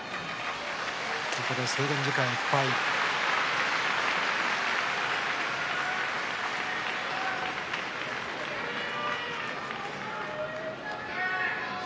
制限時間いっぱいです。